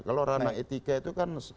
kalau ranah etika itu kan